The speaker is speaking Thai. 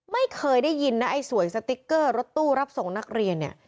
ไม่เคยได้ยินนะไอ้สวยสติ๊กเกอร์รถตู้รับส่งนักเรียนเนี่ย